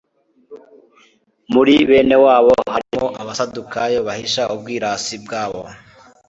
Muri bene wabo harimo abasadukayo, bahisha ubwirasi bwabo,